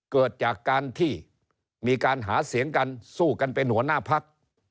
เกิดจากการที่มีการหาเสียงกันสู้กันเป็นหัวหน้าพัก